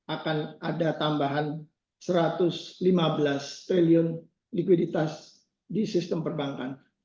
akan ada tambahan satu ratus lima belas triliun likuiditas di sistem perbankan